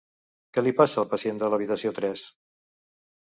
Què li passa al pacient de l'habitació tres?